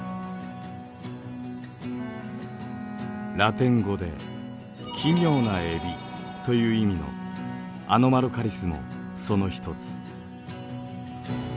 ラテン語で「奇妙なエビ」という意味のアノマロカリスもその一つ。